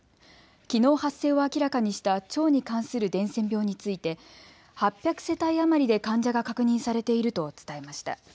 きのう発生を明らかにした腸に関する伝染病について８００世帯余りで患者が確認されていると伝えました。